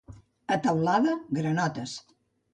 A Teulada, granotes.